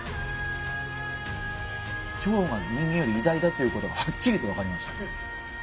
チョウが人間より偉大だということがはっきりと分かりました。